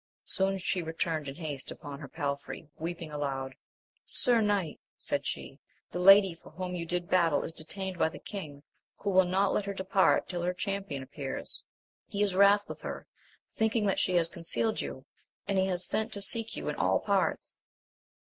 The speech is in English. Soon she returned in haste upon her palfrey, weeping aloud. Sir knight, said she, the lady for whom you did battle is detained by the king, who will not let her depart till her champion appears. He is wrath with her, thinking that she has concealed you, and he has sent to seek you in all parts.